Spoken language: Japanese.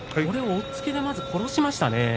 これを押っつけでまず殺しましたね。